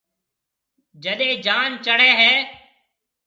جڏَي جان چڙھيََََ ھيََََ